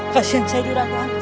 kasian saya hidup dah kawan